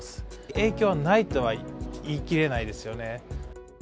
影響はないとは言い切れないですよね。